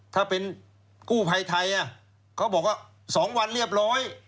ถ้าเป็นกู้ภัยไทยเขาบอกว่า๒วันเรียบร้อย